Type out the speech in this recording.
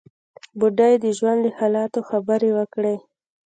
بوډۍ د ژوند له حالاتو خبرې وکړې.